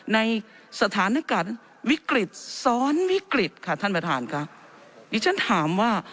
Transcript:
ในสถานการณ์วิกฤตซ้อนวิกฤตค่ะท่านประธานค่ะดิฉันถามว่า